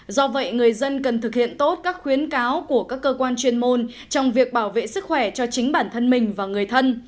do vậy người dân cần thực hiện tốt các khuyến cáo của các cơ quan chuyên môn trong việc bảo vệ sức khỏe cho chính bản thân mình và người thân